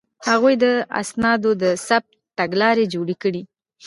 هغوی د اسنادو د ثبت تګلارې جوړې کړې.